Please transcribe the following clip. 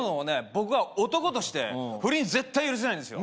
僕は男として不倫絶対許せないんですよ